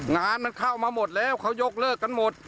งานมันเข้ามาหมดแล้วเขายกเลิกกันหมด